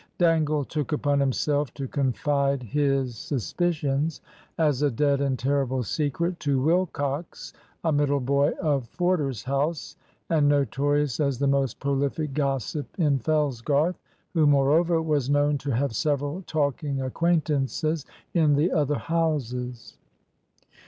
Dangle took upon himself to confide his suspicions, as a dead and terrible secret, to Wilcox, a middle boy of Forder's house, and notorious as the most prolific gossip in Fellsgarth; who, moreover, was known to have several talking acquaintances in the other houses.